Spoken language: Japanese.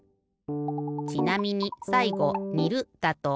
ちなみにさいごにるだと。